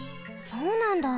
そうなんだ。